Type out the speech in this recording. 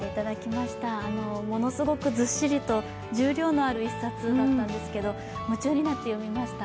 ものすごくずっしりと重量のある一冊だったんですけれども夢中になって読みました。